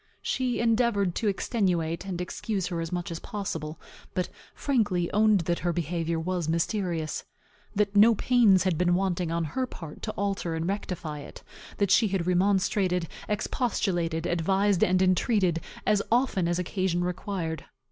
She endeavored to extenuate, and excuse her as much as possible; but frankly owned that her behavior was mysterious; that no pains had been wanting, on her part, to alter and rectify it; that she had remonstrated, expostulated, advised and entreated, as often as occasion required.